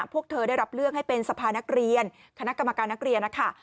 พวกเธอได้รับเลือกให้เป็นสภานักเรียนคณะกรรมการนักเรียนนะคะ